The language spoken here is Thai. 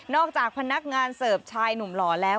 จากพนักงานเสิร์ฟชายหนุ่มหล่อแล้ว